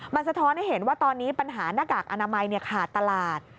มันสะท้อนให้เห็นว่าตอนนี้ปัญหาหน้ากากอนามัยขาดตลาด